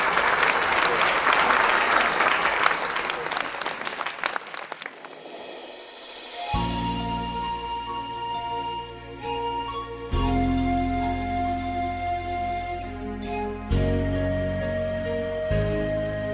ขอสัญญาก่อนนะครับโทษทีครับ